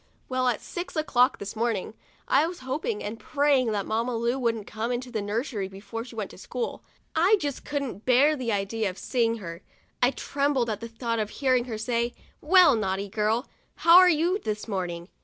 Well, at six o'clock this morning, I was hoping and praying that Mamma Lu wouldn't come into the nursery before she went to school. I just couldn't bear the idea of seeing her; I trembled at the thought of hearing her say :" Well, naughty girl, how are you this morning